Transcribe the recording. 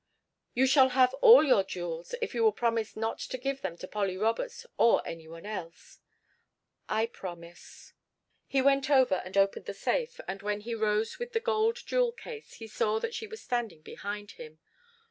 "You shall have all your jewels, if you will promise not to give them to Polly Roberts or any one else." "I promise." He went over and opened the safe, and when he rose with the gold jewel case he saw that she was standing behind him.